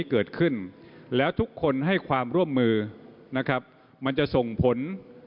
เกิดขึ้นแล้วทุกคนให้ความร่วมมือนะครับมันจะส่งผล